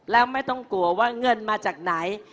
แล้วไม่ต้องกลัวว่าเงินมาจากไหน